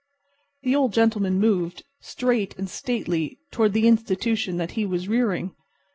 The Old Gentleman moved, straight and stately, toward the Institution that he was rearing.